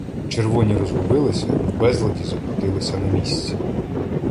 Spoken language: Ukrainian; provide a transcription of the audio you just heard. Червоні розгубилися і в безладі закрутилися на місці.